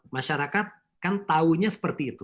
masyarakat kan tahunya seperti itu